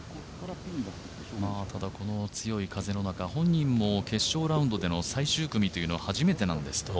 ただ、この強い風の中、本人も決勝ラウンドでの最終組というのは初めてなんですと。